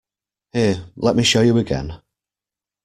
Here, let me show you again.